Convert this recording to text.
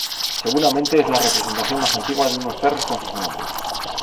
Seguramente es la representación más antigua de unos perros con sus nombres.